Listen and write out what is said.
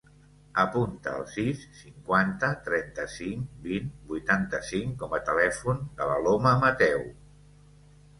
Apunta el sis, cinquanta, trenta-cinc, vint, vuitanta-cinc com a telèfon de l'Aloma Mateo.